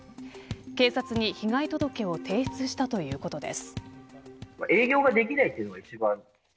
警察に被害届を提出したということです。